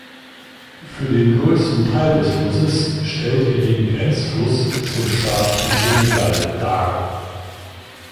Für den größten Teil des Flusses stellt er den Grenzfluss zum Staat Senegal dar.